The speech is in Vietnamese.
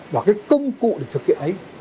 và cái công cụ được thực hiện ấy